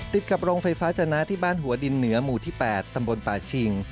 ติดกับโรงไฟฟ้าจนะที่บ้านหัวดินเหนือหมู่ที่๘ตำบลป่าชิง